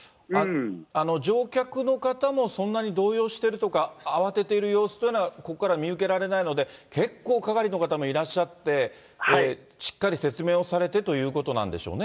乗客の方もそんなに動揺してるとか、慌てている様子とかここからは見受けられないので、結構、係の方もいらっしゃって、しっかり説明をされてということなんでしょうね。